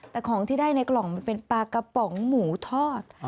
แต่ของที่ได้ในกล่องมันเป็นปลากระป๋องหมูทอด